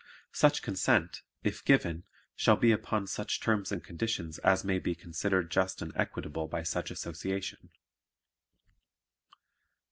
Such consent, if given, shall be upon such terms and conditions as may be considered just and equitable by such Association.